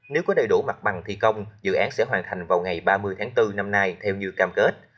nếu có đầy đủ mặt bằng thi công dự án sẽ hoàn thành vào ngày ba mươi tháng bốn năm nay theo như cam kết